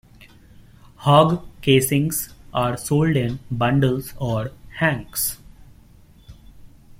Hog casings are sold in "bundles" or "hanks.